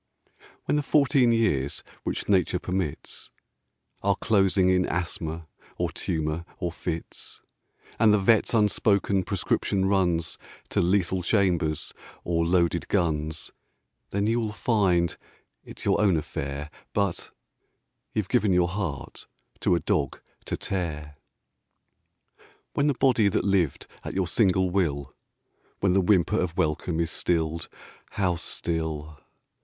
When the fourteen years which Nature permits Are closing in asthma, or tumour, or fits, And the vet's unspoken prescription runs To lethal chambers or loaded guns, Then you will find it's your own affair But... you've given your heart to a dog to tear. When the body that lived at your single will When the whimper of welcome is stilled (how still!)